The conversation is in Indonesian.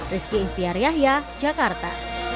rizki ihtiar yahya jakarta